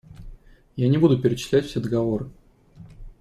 Я не буду перечислять все договоры.